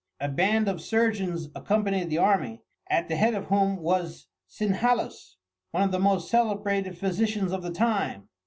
A band of surgeons accompanied the army, at the head of whom was Synhalus, one of the most celebrated physicians of the time.